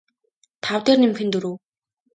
тав дээр нэмэх нь дөрөв